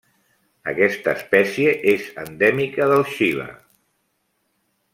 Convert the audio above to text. Aquesta espècie és endèmica del Xile.